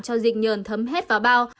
cho dịch nhờn thấm hết vào bao